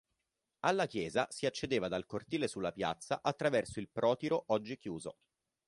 Alla chiesa si accedeva dal cortile sulla piazza attraverso il protiro oggi chiuso.